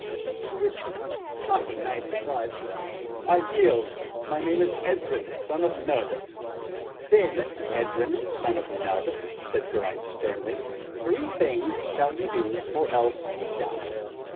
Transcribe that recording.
To which the once haughty knight replied: "I yield! My name is Edryn, son of Nudd." "Then Edryn, son of Nudd," said Geraint sternly, "three things shall you do, or else you die.